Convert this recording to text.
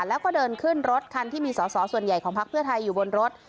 แล้วก็เดินขึ้นรถคันที่มีสอสอส่วนใหญ่ของพักเพื่อไทยอยู่บนรถ